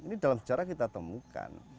ini dalam sejarah kita temukan